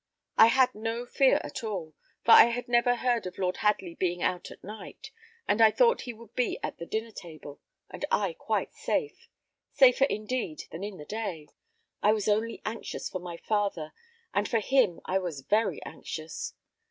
I had no fear at all; for I had never heard of Lord Hadley being out at night, and I thought he would be at the dinner table, and I quite safe safer, indeed, than in the day. I was only anxious for my father, and for him I was very anxious.